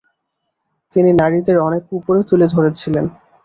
তিনি নারীদের অনেক উপরে তুলে ধরেছিলেন।